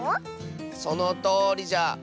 そのとおりじゃ。